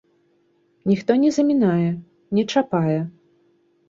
Ніхто не замінае, не чапае.